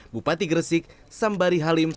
bupati gresik sambari halim